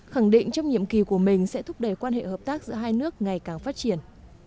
khẳng định trong nhiệm kỳ của mình sẽ thúc đẩy quan hệ hợp tác giữa hai nước ngày càng phát triển